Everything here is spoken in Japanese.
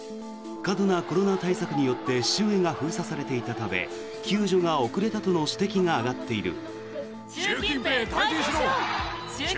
過度なコロナ対策によって周囲が封鎖されていたため救助が遅れたとの指摘が上がっている。